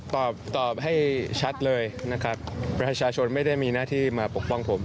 ตอบตอบให้ชัดเลยนะครับประชาชนไม่ได้มีหน้าที่มาปกป้องผม